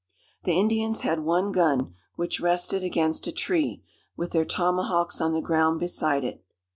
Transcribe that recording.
The Indians had one gun, which rested against a tree, with their tomahawks on the ground beside it.